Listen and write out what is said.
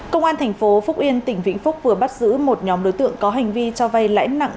công an thành phố phúc yên tỉnh vĩnh phúc vừa bắt giữ một nhóm đối tượng có hành vi cho vay lãi nặng